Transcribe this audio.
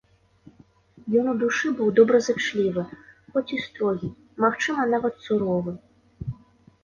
Ён у душы быў добразычлівы, хоць і строгі, магчыма, нават суровы.